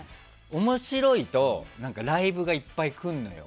面白いとライブがいっぱい来るのよ。